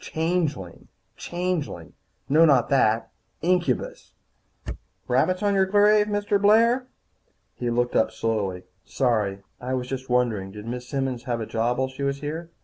Changeling, changeling No, not that. Incubus! He shivered again. "Rabbits on your grave, Mr. Blair?" He looked up slowly. "Sorry. I was just wondering. Did Miss Simmons have a job while she was here?"